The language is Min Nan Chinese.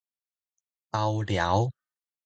包療